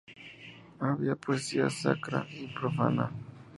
Había poesía sacra y profana.